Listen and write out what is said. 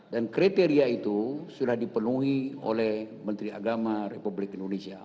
dan kriteria itu sudah dipenuhi oleh menteri agama republik indonesia